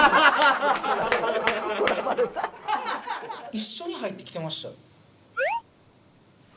一緒に入ってきてましたよ。